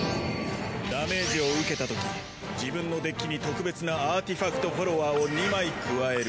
ダメージを受けたとき自分のデッキに特別なアーティファクト・フォロワーを２枚加える。